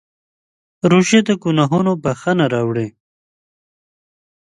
روژه د ګناهونو بښنه راوړي.